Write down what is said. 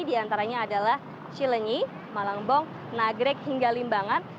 di antaranya adalah cilenyi malangbong nagrek hingga limbangan